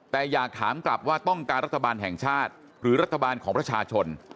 แต่อยากถามกลับว่าต้องการรัฐบาลแห่งชาติหรือรัฐบาลของประชาชน